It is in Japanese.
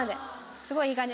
すごいいい感じ。